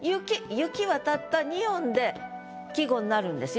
「雪」はたった２音で季語になるんですよ。